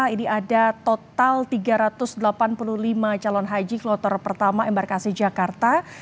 ini ada total tiga ratus delapan puluh lima calon haji kloter pertama embarkasi jakarta